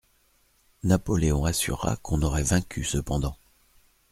Napoléon assura qu'on aurait vaincu cependant.